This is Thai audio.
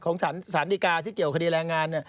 สารดีกาที่เกี่ยวคดีแรงงาน